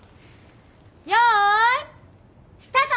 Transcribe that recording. よいスタート！